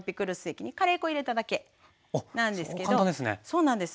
そうなんです。